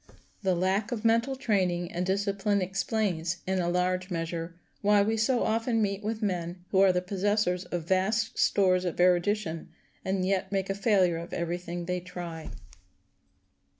The lack of mental training and discipline explains, in a large measure, why we so often meet with men who are the possessors of vast stores of erudition, and yet make a failure of every thing they try.